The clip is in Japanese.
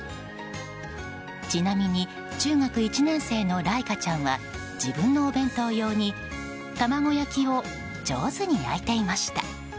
ちなみに中学１年生の來風ちゃんは自分のお弁当用に卵焼きを上手に焼いていました。